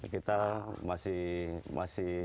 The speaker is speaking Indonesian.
kita masih terus organik